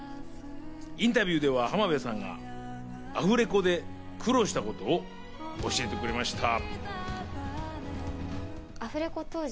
インタビューでは浜辺さんがアフレコで苦労したことを教えてくれました。